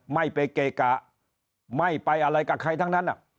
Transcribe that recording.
ไม่ไปเกะกะไม่ไปอะไรกับใครทั้งนั้น